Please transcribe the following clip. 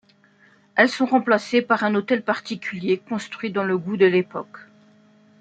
Elles sont remplacées par un hôtel particulier construit dans le goût de l'époque.